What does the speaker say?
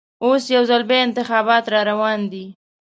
اوس یوځل بیا انتخابات راروان دي.